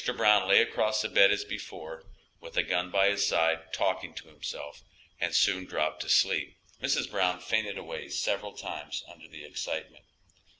Brown lay across the bed as before, with the gun by his side, talking to himself, and soon dropped to sleep. Mrs. Brown fainted away several times under the excitement.